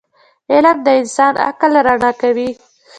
علم د انسان عقل رڼا کوي.